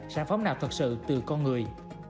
sản phẩm nào thật sự từ con người